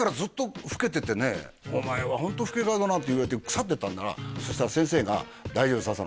「お前はホント老け顔だな」って言われて腐ってたんならそしたら先生が「大丈夫笹野」